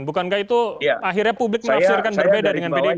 bukankah itu akhirnya publik menafsirkan berbeda dengan bdi perjuangan